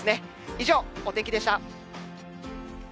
以上、お天気でした。